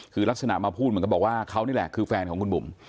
คือลักษณะมาพูดเหมือนกับบอกว่าเขานี่แหละคือแฟนของคุณบุ๋ม